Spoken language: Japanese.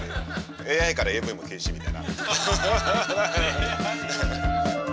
「ＡＩからＡＶ」も禁止みたいな。